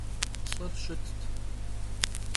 Lh'ır şıtt.